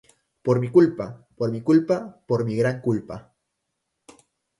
por mi culpa, por mi culpa, por mi gran culpa.